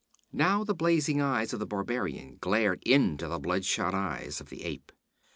Now the blazing eyes of the barbarian glared into the bloodshot eyes of the ape.